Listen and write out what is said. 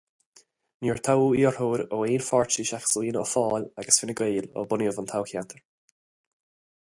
Níor toghadh iarrthóir ó aon pháirtí seachas ó Fhianna Fáil agus Fine Gael ó bunaíodh an toghcheantar.